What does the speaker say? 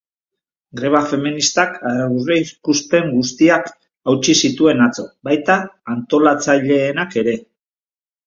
Greba feministak aurreikuspen guztiak hautsi zituen atzo, baita antolatzaileenak ere.